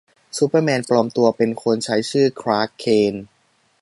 ซูเปอร์แมน ปลอมตัวเป็นคน ใช้ชื่อคลาร์ก เคนต์